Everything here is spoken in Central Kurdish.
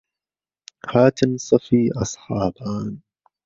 هاتن سهفی ئهسحابان